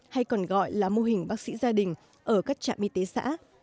hay còn gọi là mô hình bác sĩ gia đình ở các trạm y tế xã